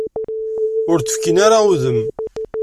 Ur d-fkin ara udem.